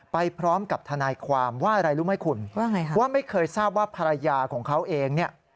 ไปพร้อมกับทนายความว่าอะไรรู้ไหมคุณว่าไงฮะว่าไม่เคยทราบว่าภรรยาของเขาเองเนี่ย